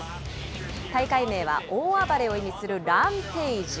大会名は大暴れを意味するランペイジ。